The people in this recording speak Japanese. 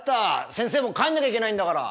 先生も帰んなきゃいけないんだから。